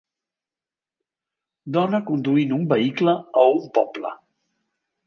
Dona conduint un vehicle a un poble.